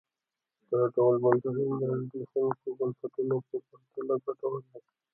دا ډول بنسټونه د زبېښونکو بنسټونو په پرتله ګټور دي.